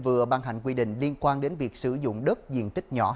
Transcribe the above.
vừa ban hành quy định liên quan